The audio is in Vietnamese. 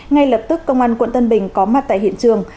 ngay lập tức công an quận tân bình có mặt tại hiện trường